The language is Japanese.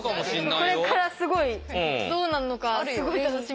これからすごいどうなるのかすごい楽しみ。